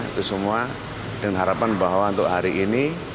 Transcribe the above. itu semua dan harapan bahwa untuk hari ini